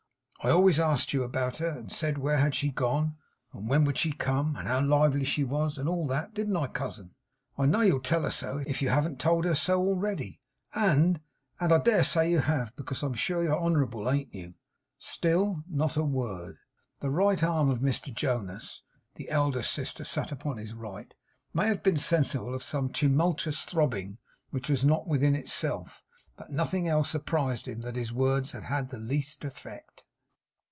I always asked you about her, and said where had she gone, and when would she come, and how lively she was, and all that; didn't I, cousin? I know you'll tell her so, if you haven't told her so already, and and I dare say you have, because I'm sure you're honourable, ain't you?' Still not a word. The right arm of Mr Jonas the elder sister sat upon his right may have been sensible of some tumultuous throbbing which was not within itself; but nothing else apprised him that his words had had the least effect.